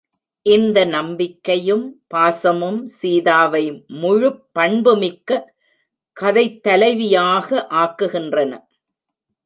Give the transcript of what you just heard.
இந்த நம்பிக்கையும் பாசமும் சீதாவை முழுப்பண்பு மிக்க கதைத்தலைவியாக ஆக்குகின்றன!